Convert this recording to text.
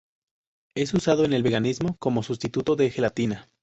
Es usado en el veganismo como sustituto de gelatina.